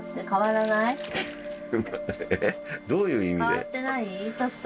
どういう意味で？